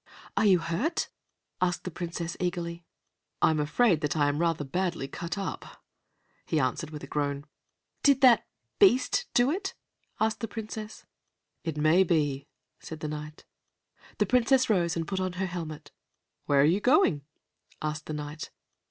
"Are you hurt?" asked the Princess eagerly. "I'm afraid that I am rather badly cut up," he answered, with a groan. "Did that Beast do it?" asked the Princess. "It may be," said the Knight. The Princess rose and put on her helmet. "Where are you going?" asked the Knight.